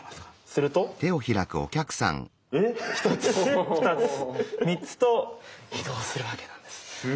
すると１つ２つ３つと移動するわけなんです。